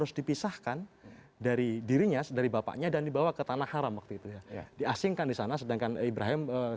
sesudah dia pemindah